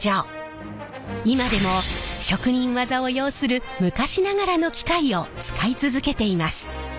今でも職人技を要する昔ながらの機械を使い続けています。